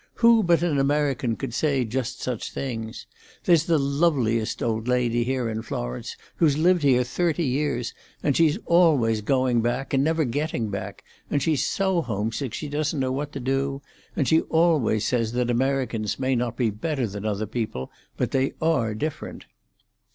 "Who but an American could say just such things? There's the loveliest old lady here in Florence, who's lived here thirty years, and she's always going back and never getting back, and she's so homesick she doesn't know what to do, and she always says that Americans may not be better than other people, but they are different."